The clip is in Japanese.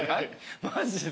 マジで。